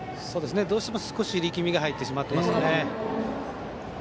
どうしても少し力みが入ってしまってますね。